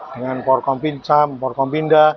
dengan porkom pincam porkom pinda